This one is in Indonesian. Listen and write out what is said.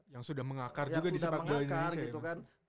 yang sudah mengakar juga di sepak bola indonesia